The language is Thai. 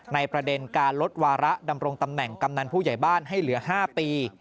ประเด็นการลดวาระดำรงตำแหน่งกำนันผู้ใหญ่บ้านให้เหลือ๕ปี